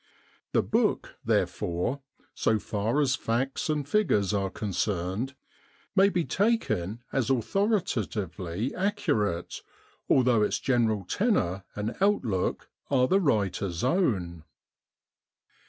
The book, therefore, so far as facts and figures are concerned, may be taken as authoritatively accurate, although its general tenor and outlook are the writer's own.